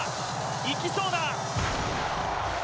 行きそうだ！